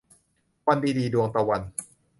วันดีดี - ดวงตะวัน